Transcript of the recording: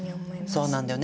そうなんだよね